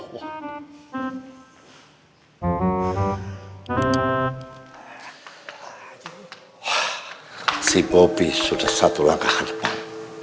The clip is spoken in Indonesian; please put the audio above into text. si bobi sudah satu langkah ke depan